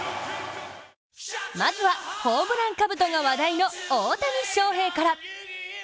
まずは、ホームランかぶとが話題の大谷翔平から。